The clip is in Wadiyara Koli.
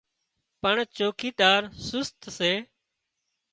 پڻ چوڪيدار سست سي